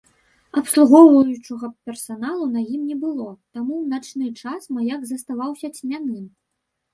Абслугоўваючага персаналу на ім не было, таму ў начны час маяк заставаўся цьмяным.